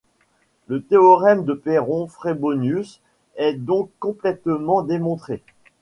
Le théorème de Perron Frobenius est donc complètement démontré.